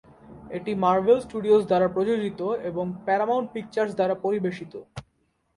এটি Marvel Studios দ্বারা প্রযোজিত এবং প্যারামাউন্ট পিকচার্স দ্বারা পরিবেশিত।